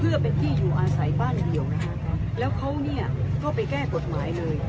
เพื่อเป็นที่อยู่อาศัยบ้านเดียวนะคะแล้วเขาเนี่ยก็ไปแก้กฎหมายเลย